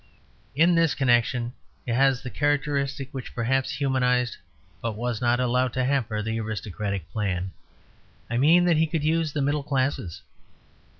In this connection he has the characteristic which perhaps humanized but was not allowed to hamper the aristocratic plan; I mean that he could use the middle classes.